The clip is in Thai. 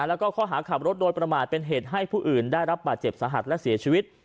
แล้วก็ข้อหาขับรถโดยประมาทเป็นเหตุให้ผู้อื่นได้รับบาดเจ็บสาหัสและเสียชีวิต